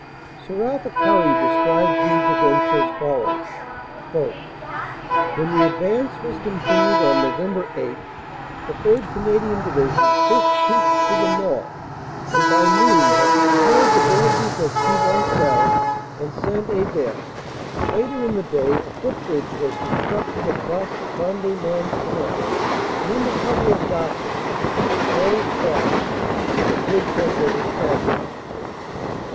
Sir Arthur Currie describes these events as follows : "When the advance was continued on Nov. 8, the 3rd. Cana dian Division pushed troops to the north, and by noon had secured the villages of Thievencelle and St. Aybert. Later in the day a footbridge was constructed across the Conde Mons Canal, and under cover of darkness patrols crossed and a bridgehead was established.